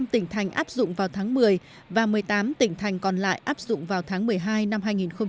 một mươi tỉnh thành áp dụng vào tháng một mươi và một mươi tám tỉnh thành còn lại áp dụng vào tháng một mươi hai năm hai nghìn hai mươi